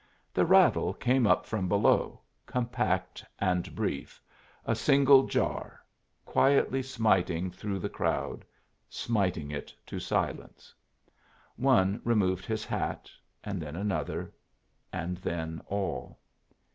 The rattle came up from below, compact and brief, a single jar, quietly smiting through the crowd, smiting it to silence. One removed his hat, and then another, and then all.